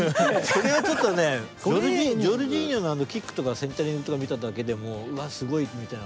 それはちょっとねジョルジーニョのあのキックとかセンタリングとか見ただけでもうわっすごいみたいな。